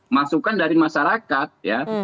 masukan dari masyarakat ya